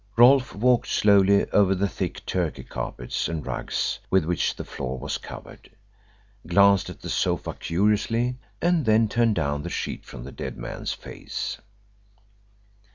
Rolfe walked slowly over the thick Turkey carpets and rugs with which the floor was covered, glanced at the sofa curiously, and then turned down the sheet from the dead man's face.